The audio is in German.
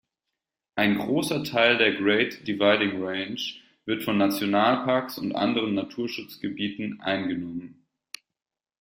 Ein großer Teil der Great Dividing Range wird von Nationalparks und anderen Naturschutzgebieten eingenommen.